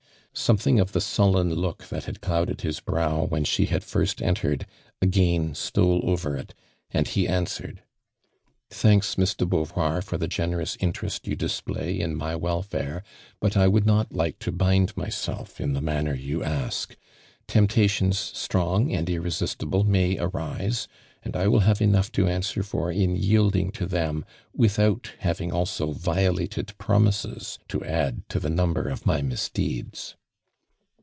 Something of the sullen look that had clouded his brow when she had first en tered, again stole over it and he answered : "Thanks, Miss de Beauvoir, for the t'enerous interest you display in my welfai e, but I would not like to bind myself in the Tiianner you ask. Temptations strong and irresistible may arise, and I will have enough to answer for in yielding to them without having also violated promises to add to the number of my mi.sdeeds."